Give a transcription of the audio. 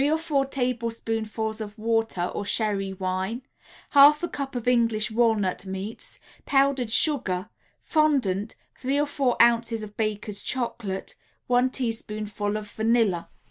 ] 5 figs, 3 or 4 tablespoonfuls of water or sherry wine, 1/2 a cup of English walnut meats, Powdered sugar, Fondant, 3 or 4 ounces of Baker's Chocolate, 1 teaspoonful of vanilla.